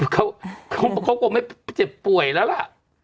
เขาก็กลมให้เจ็บป่วยแล้วล่ะ